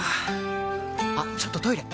あっちょっとトイレ！